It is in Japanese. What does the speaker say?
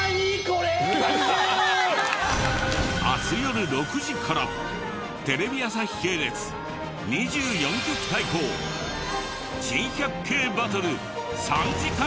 明日よる６時からテレビ朝日系列２４局対抗珍百景バトル３時間スペシャル。